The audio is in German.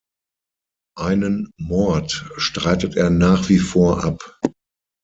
Einen Mord streitet er nach wie vor ab.